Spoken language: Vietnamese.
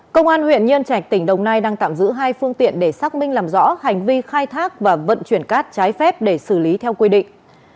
công an huyện nhân trạch tỉnh đồng nai đang tạm giữ hai phương tiện để xác minh làm rõ hành vi khai thác và vận chuyển cát trái phép để xử lý theo quy định